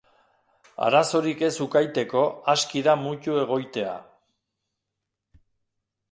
Arazorik ez ukaiteko aski da mutu egoitea.